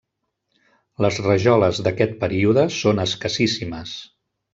Les rajoles d'aquest període són escassíssimes.